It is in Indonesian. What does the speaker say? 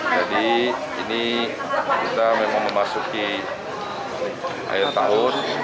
jadi ini kita memang memasuki akhir tahun